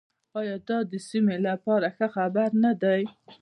آیا دا د سیمې لپاره ښه خبر نه دی؟